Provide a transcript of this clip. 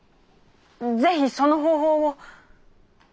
ぜひその方法を。